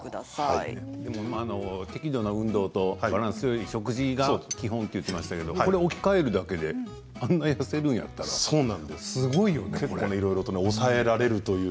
適度な運動とバランスのよい食事が基本と言っていましたけどこれを置き換えるだけであんなに痩せるんやったらすごいよね。